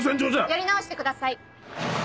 やり直してください！